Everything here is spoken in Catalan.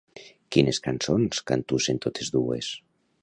Quines cançons cantussen totes dues?